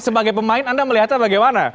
sebagai pemain anda melihatnya bagaimana